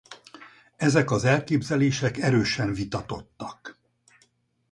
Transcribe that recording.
Ezek az elképzelések erősen vitatottak.